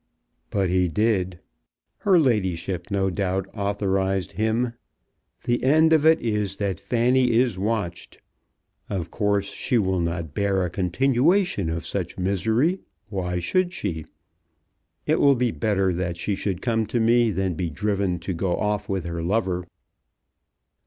"But he did. Her ladyship no doubt authorized him. The end of it is that Fanny is watched. Of course she will not bear a continuation of such misery. Why should she? It will be better that she should come to me than be driven to go off with her lover."